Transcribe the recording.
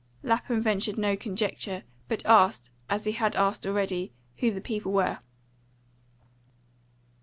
Lapham ventured no conjecture, but asked, as he had asked already, who the people were.